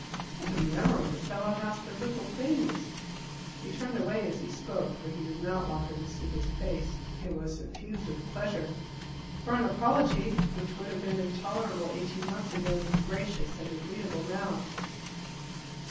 "What a memory the fellow has for little things!" He turned away as he spoke, for he did not want her to see his face. It was suffused with pleasure. For an apology, which would have been intolerable eighteen months ago, was gracious and agreeable now.